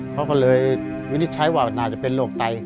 เพราะเลยวิธยินต์ใช้ว่ามันอาจจะเป็นโลกไต